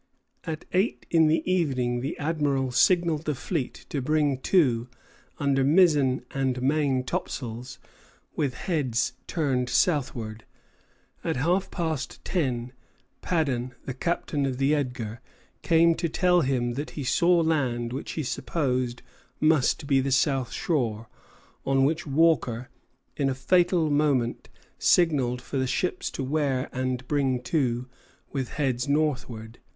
At eight in the evening the Admiral signalled the fleet to bring to, under mizzen and main topsails, with heads turned southward. At half past ten, Paddon, the captain of the "Edgar," came to tell him that he saw land which he supposed must be the south shore; on which Walker, in a fatal moment, signalled for the ships to wear and bring to, with heads northward.